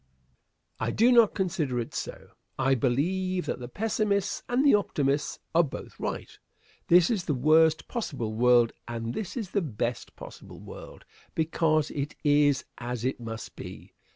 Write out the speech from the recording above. Answer. I do not consider it so. I believe that the pessimists and the optimists are both right. This is the worst possible world, and this is the best possible world because it is as it must be.